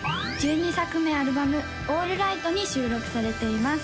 １２作目アルバム「オールライト」に収録されています